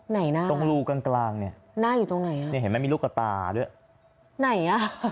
ไหนหน่าตรงรูกลางเนี่ยนี่เห็นมั้ยมีลูกตาด้วยหน้าอยู่ตรงไหน